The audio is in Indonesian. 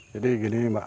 jadi gini mbak